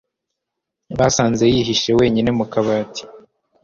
Basanze yihishe wenyine mu kabati.